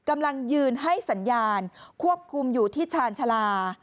กำลังยืนให้สัญญาณควบคุมอยู่ที่ชาญชาลา